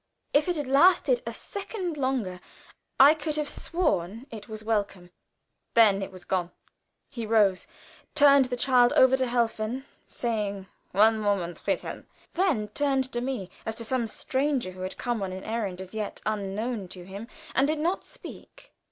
If it had lasted a second longer I could have sworn it was welcome then it was gone. He rose, turned the child over to Helfen, saying, "One moment, Friedel," then turned to me as to some stranger who had come on an errand as yet unknown to him, and did not speak.